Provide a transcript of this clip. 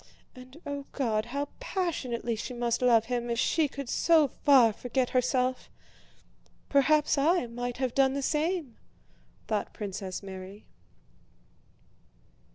And, oh God, how passionately she must love him if she could so far forget herself! Perhaps I might have done the same!..." thought Princess Mary.